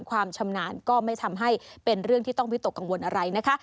ความชำนาญก็ไม่ทำให้เป็นเรื่องที่ต้องวิตกกังวลอะไรนะคะ